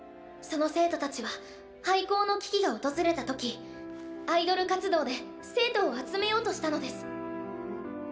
その生徒たちは廃校の危機が訪れた時アイドル活動で生徒を集めようとしたのです。